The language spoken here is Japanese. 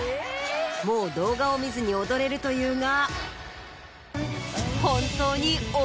もう動画を見ずに踊れるというが。